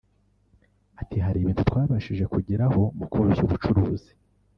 Ati “Hari ibintu twabashije kugeraho mu koroshya ubucuruzi